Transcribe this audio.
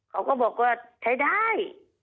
เขาก็บอกว่าใช้ได้